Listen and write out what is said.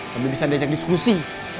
lebih bisa diajak diskusi